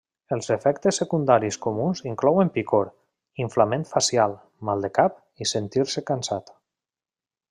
Els efectes secundaris comuns inclouen picor, inflament facial, mal de cap i sentir-se cansat.